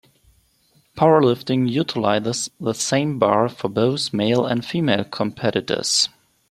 Powerlifting utilizes the same bar for both male and female competitors.